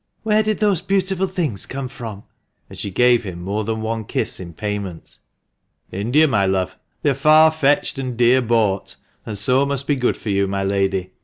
Where did those beautiful things come from ?" and she gave him more than one kiss in payment. India, my love ; they are ' far fetched and dear bought,' and so must be good for you, my lady.